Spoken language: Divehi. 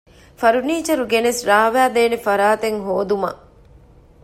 ފަރުނީޗަރ ގެނެސް ރާވައިދޭނެ ފަރާތެއް ހޯދުމަށް